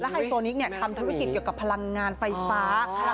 ไฮโซนิกทำธุรกิจเกี่ยวกับพลังงานไฟฟ้า